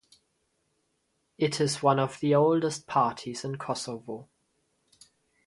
It is one of the oldest parties in Kosovo.